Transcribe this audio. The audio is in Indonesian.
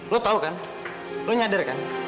lo tau kan lo nyadar kan